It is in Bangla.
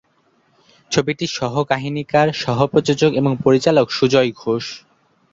ছবিটির সহ-কাহিনীকার, সহ-প্রযোজক এবং পরিচালক সুজয় ঘোষ।